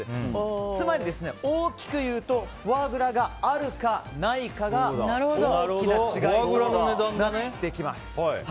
つまり、大きく言うとフォアグラがあるか、ないかが大きな違いとなってきます。